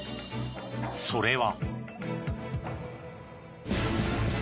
それは。